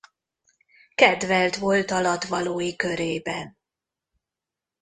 Kedvelt volt alattvalói körében.